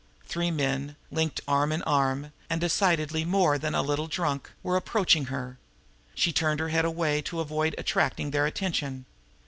Three men, linked arm in arm, and decidedly more than a little drunk, were approaching her. She turned her head away to avoid attracting their attention.